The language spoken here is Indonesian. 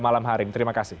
malam hari terima kasih